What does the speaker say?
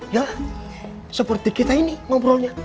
ya seperti kita ini ngobrolnya